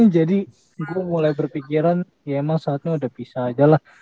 jadi gue mulai berpikiran ya emang saatnya udah bisa aja lah